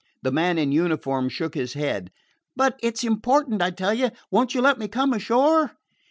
The man in uniform shook his head. "But it 's important, I tell you! Won't you let me come ashore?"